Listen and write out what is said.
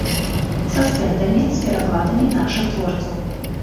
Са стэндамі, з перакладамі нашых творцаў.